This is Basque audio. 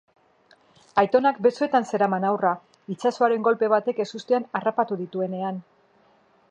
Aitonak besoetan zeraman haurra, itsasoaren kolpe batek ezustean harrapatu dituenean.